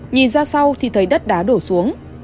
nhìn ra sau thì thấy đất đá đổ xuống